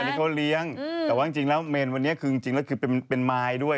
อันนี้เขาเลี้ยงแต่ว่าจริงแล้วเมนวันนี้คือเป็นไมล์ด้วย